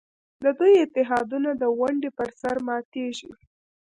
د دوی اتحادونه د ونډې پر سر ماتېږي.